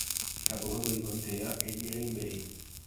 Il capoluogo di contea è Green Bay.